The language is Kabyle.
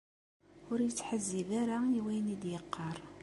Ur ittḥezzib ara i wayen i d-iqqar.